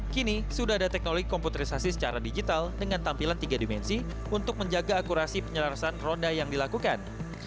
kini sudah ada teknologi komputerisasi secara digital dengan tampilan tiga dimensi untuk menjaga akurasi penyelarasan roda yang dilakukan